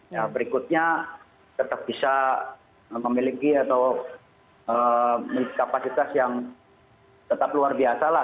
ya berikutnya tetap bisa memiliki atau kapasitas yang tetap luar biasa lah